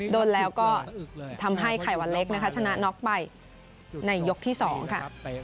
โดนแล้วก็ทำให้ไข่วันเล็กนะคะชนะน็อกไปในยกที่๒ค่ะ